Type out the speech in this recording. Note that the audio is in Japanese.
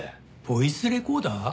ボイスレコーダー？